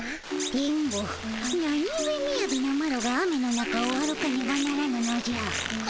電ボ何ゆえみやびなマロが雨の中を歩かねばならぬのじゃ。